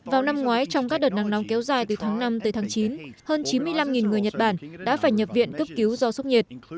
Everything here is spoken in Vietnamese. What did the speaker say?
vào năm ngoái trong các đợt nắng nóng kéo dài từ tháng năm tới tháng chín hơn chín mươi năm người nhật bản đã phải nhập viện cấp cứu do sốc nhiệt